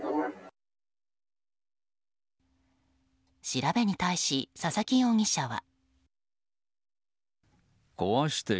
調べに対し、佐々木容疑者は。